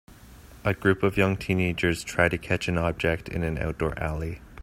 A group of young teenagers try to catch an object in an outdoor alley.